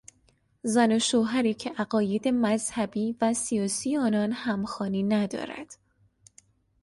زن و شوهری که عقاید مذهبی و سیاسی آنان همخوانی ندارد